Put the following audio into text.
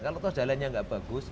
kalau jalan enggak bagus